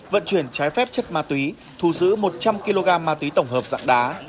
vận chuyển trái phép chất ma túy thu giữ một trăm linh kg ma túy tổng hợp dạng đá